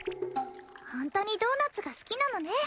ホントにドーナツが好きなのね